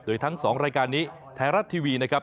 โดยทั้ง๒รายการนี้ไทยรัฐทีวีนะครับ